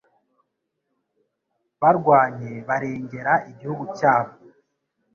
Barwanye barengera igihugu cyabo